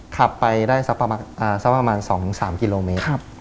ขับไปได้สักประมาณ๒๓กิโลเมตร